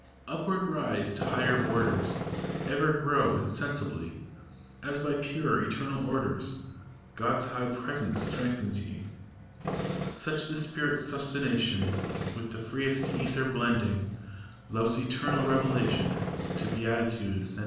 Upward rise to higher borders ! Ever grow, insensibly, As, by pure, eternal orders, God's high Presence strengthens ye! Such the Spirits' sustentation. With the freest ether blending; Love's eternal Revelation, To Beatitude ascending.